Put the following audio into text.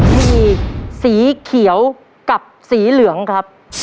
มีสีเขียวกับสีเหลืองครับ